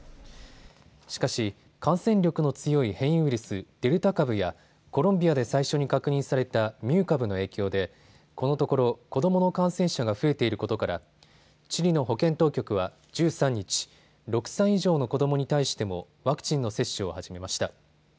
しかし感染力の強い変異ウイルス、デルタ株やコロンビアで最初に確認されたミュー株の影響でこのところ子どもの感染者が増えていることからチリの保健当局は１３日、６歳以上の子どもに対してもワクチンの接種を始めました。